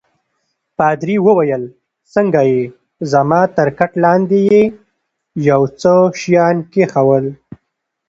پادري وویل: څنګه يې؟ زما تر کټ لاندي يې یو څه شیان کښېښوول.